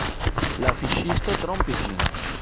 "La fiŝisto trompis min."